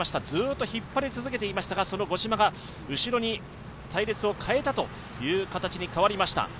ずっと引っ張り続けていましたが、五島が後ろに隊列を変えたという形に変わりました。